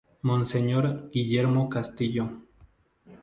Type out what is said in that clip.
Monseñor Guillermo Castillo.